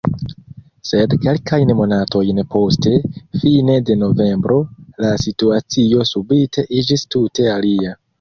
Sed kelkajn monatojn poste, fine de novembro, la situacio subite iĝis tute alia.